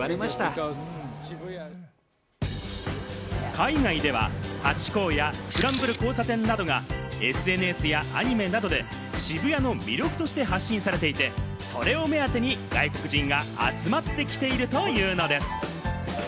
海外ではハチ公やスクランブル交差点などが、ＳＮＳやアニメなどで、渋谷の魅力として発信されていて、それを目当てに外国人が集まってきているというのです。